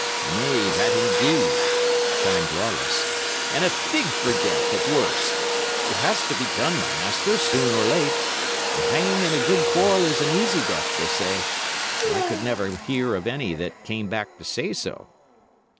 "Nay, that indeed!" chimed Lawless. "And a fig for death, at worst! It has to be done, my master, soon or late. And hanging in a good quarrel is an easy death, they say, though I could never hear of any that came back to say so."